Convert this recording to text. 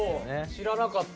知らなかった。